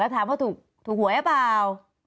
แล้วถามว่าถูกหัวหรือเปล่า